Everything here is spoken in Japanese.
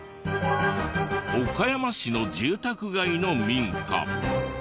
岡山市の住宅街の民家。